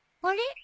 あれ？